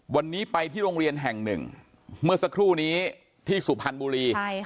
วันนี้ไปที่โรงเรียนแห่งหนึ่งเมื่อสักครู่นี้ที่สุพรรณบุรี